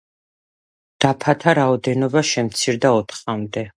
დაფათა რაოდენობა შემცირდა ოთხამდე.